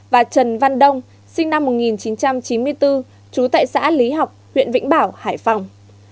và trần văn đông sinh năm một nghìn chín trăm chín mươi bốn trú tại xã lý học huyện vĩnh bảo hải phòng